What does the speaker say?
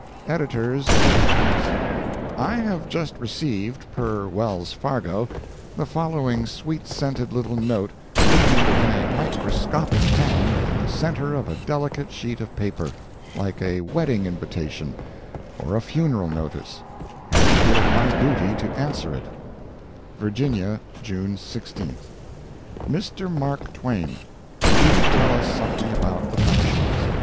EDS. ENTERPRISE:—I have just received, per Wells Fargo, the following sweet scented little note, written in a microscopic hand in the center of a delicate sheet of paper—like a wedding invitation or a funeral notice—and I feel it my duty to answer it: VIRGINIA, June 16. "MR. MARK TWAIN:—Do tell us something about the fashions.